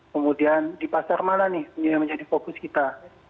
kemudian di pasar mana nih yang menjadi fokus kita